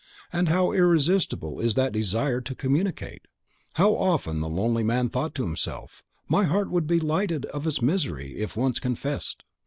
And how irresistible is that desire to communicate! How often the lonely man thought to himself, "My heart would be lightened of its misery, if once confessed!"